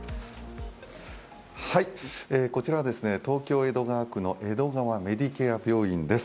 こちらは東京・江戸川区の江戸川メディケア病院です。